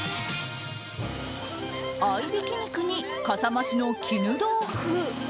合いびき肉に、かさ増しの絹豆腐。